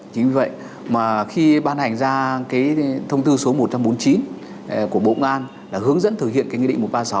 chính vì vậy mà khi ban hành ra cái thông tư số một trăm bốn mươi chín của bộ công an là hướng dẫn thực hiện cái nghị định một trăm ba mươi sáu